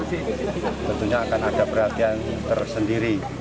tentunya akan ada perhatian tersendiri